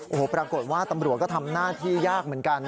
โอ้โหปรากฏว่าตำรวจก็ทำหน้าที่ยากเหมือนกัน